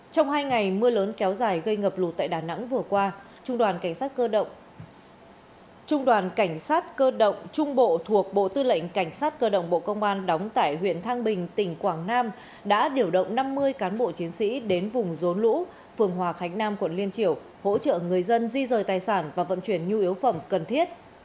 trong hai ngày mưa lớn kéo dài gây ngập lụt tại đà nẵng vừa qua trung đoàn cảnh sát cơ động trung bộ thuộc bộ tư lệnh cảnh sát cơ động bộ công an đóng tại huyện thang bình tỉnh quảng nam đã điều động năm mươi cán bộ chiến sĩ đến vùng rốn lũ phường hòa khánh nam quận liên triểu hỗ trợ người dân di rời tài sản và vận chuyển nhu yếu phẩm cần thiết